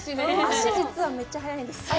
足実はめっちゃ速いんです